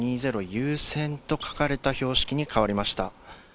優先と書かれた標識に変わりました。